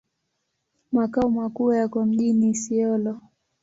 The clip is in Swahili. Makao makuu yako mjini Isiolo.